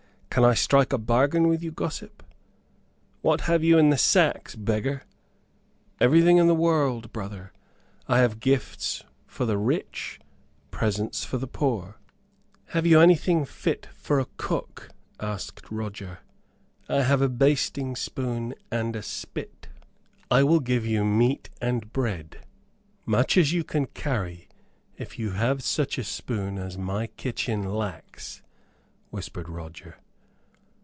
"Can I strike a bargain with you, gossip?" "What have you in the sacks, beggar?" "Everything in the world, brother. I have gifts for the rich, presents for the poor." "Have you anything fit for a cook?" asked Roger. "I have a basting spoon and a spit." "I will give you meat and bread much as you can carry if you have such a spoon as my kitchen lacks," whispered Roger.